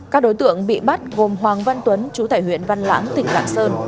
các đối tượng bị bắt gồm hoàng văn tuấn chú tải huyện văn lãng tỉnh lạng sơn